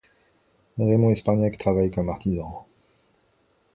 Raymond Espagnac travaille comme artisan.